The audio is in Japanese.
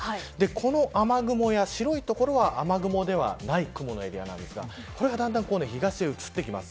この雨雲や白い所は雨雲ではない雲のエリアなんですがこれがだんだん東へ移ってきます。